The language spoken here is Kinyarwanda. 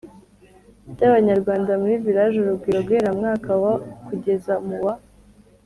by Abanyarwanda muri Village Urugwiro guhera mu mwaka wa kugeza mu wa